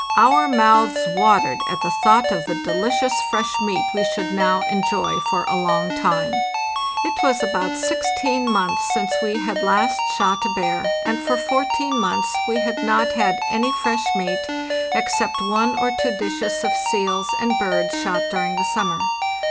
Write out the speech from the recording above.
Our mouths watered at the thought of the delicious fresh meat we should now enjoy for a long time. It was about 16 months since we had last shot a bear, and for 14 months we had not had any fresh meat, except one or two dishes of seals and birds shot during the summer.